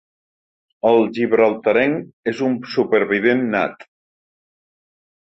El gibraltarenc és un supervivent nat.